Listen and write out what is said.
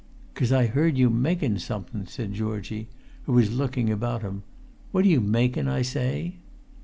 "'Cos I heard you makin' somekin," said Georgie, who was looking about him. "What are you makin', I say?"